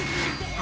あ